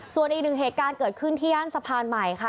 ส่วนอีกหนึ่งเหตุการณ์เกิดขึ้นที่ย่านสะพานใหม่ค่ะ